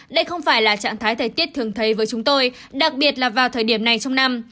đây không phải là trạng thái thời tiết thường thấy với chúng tôi đặc biệt là vào thời điểm này trong năm